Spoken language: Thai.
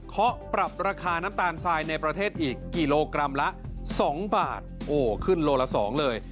เขาปรับราคาน้ำตาลทรายในประเทศอีกกิโลกรัมละ๒บาทโอ้ขึ้นโลละ๒เลย